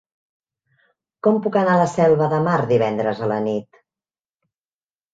Com puc anar a la Selva de Mar divendres a la nit?